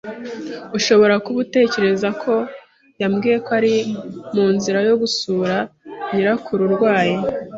Ushobora kuba utekereza ko yambwiye ko ari munzira yo gusura nyirakuru urwaye.